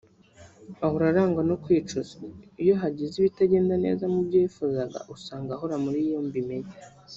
Ahora arangwa no kwicuza iyo hagize ibitagenda neza mu byo yifuzaga usanga ahora muri iyo mbimenya